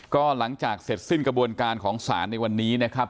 ก็หลังจากเสร็จสิ้นกระบวนการของศาลในวันนี้นะครับ